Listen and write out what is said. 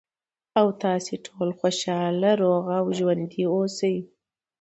، او تاسې ټول خوشاله، روغ او ژوندي اوسئ.